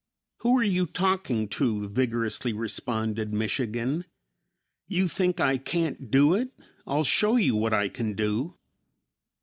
"Who are you talking to?" vigorously responded "Michigan." "You think I can't do it; I'll show you what I can do."